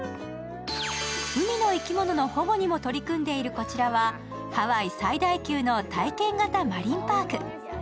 海の生き物の保護にも取り組んでいるこちらは、ハワイ最大級の体験型マリンパーク。